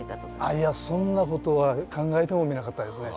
いやそんなことは考えてもみなかったですね。